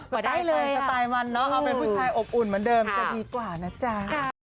ก็ได้เลยสไตล์มันเนาะเอาเป็นผู้ชายอบอุ่นเหมือนเดิมจะดีกว่านะจ๊ะ